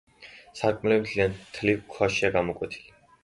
სარკმლები მთლიან თლილ ქვაშია გამოკვეთილი.